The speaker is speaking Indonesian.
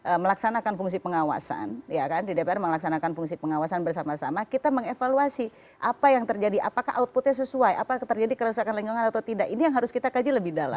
kita melaksanakan fungsi pengawasan ya kan di dpr melaksanakan fungsi pengawasan bersama sama kita mengevaluasi apa yang terjadi apakah outputnya sesuai apa terjadi kerusakan lingkungan atau tidak ini yang harus kita kaji lebih dalam